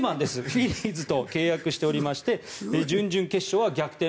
フィリーズと契約してまして準々決勝は逆転